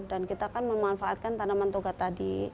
dan kita akan memanfaatkan tanaman toga tadi